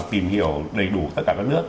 tìm hiểu đầy đủ tất cả các nước